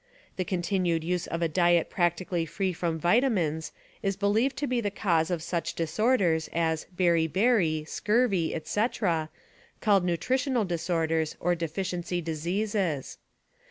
The continued use of a diet practically free from vitamins is believed to be Vitamins the cause of such disorders as beri beri, scurvy, etc., called nutritional disorders or deficiency diseases.